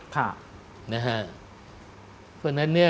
เพราะฉะนั้นเนี่ย